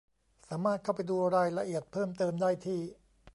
สามารถเข้าไปดูรายละเอียดเพิ่มเติมได้ที่